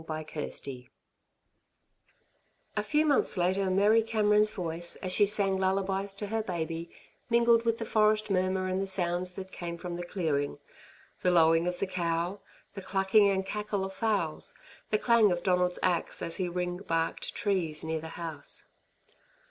CHAPTER II A few months later Mary Cameron's voice, as she sang lullabies to her baby, mingled with the forest murmur and the sounds that came from the clearing the lowing of the cow, the clucking and cackle of fowls, the clang of Donald's axe as he ring barked trees near the house.